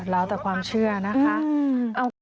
แล้วแต่ความเชื่อนะคะ